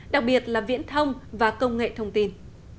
đặc biệt là viễn thông và công nghệ thông tin